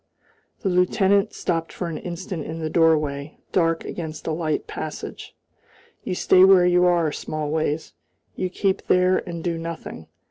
The lieutenant stopped for an instant in the doorway, dark against the light passage. "You stay where you are, Smallways. You keep there and do nothing.